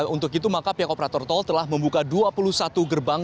untuk itu maka pihak operator tol telah membuka dua puluh satu gerbang